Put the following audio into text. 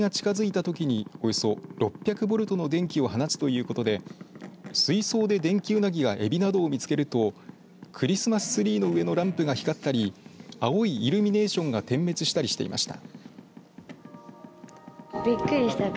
デンキウナギは獲物や敵が近づいたときにおよそ６００ボルトの電気を放つということで水槽で、デンキウナギやえびなどを見つけるとクリスマスツリーの上のランプが光ったり青いイルミネーションが点滅したりしていました。